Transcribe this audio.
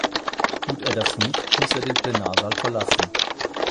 Tut er das nicht, muss er den Plenarsaal verlassen.